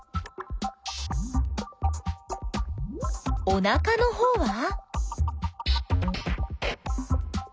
おなかのほうは？